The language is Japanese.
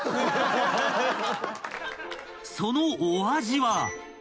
［そのお味は？］